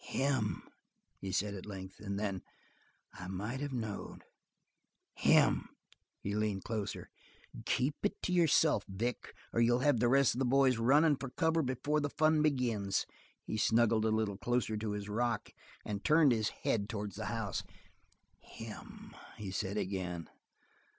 "Him!" he said at length. And then: "I might of knowed! Him!" He leaned closer. "Keep it to yourself, Vic, or you'll have the rest of the boys runnin' for cover before the fun begins." He snuggled a little closer to his rock and turned his head towards the house. "Him!" he said again.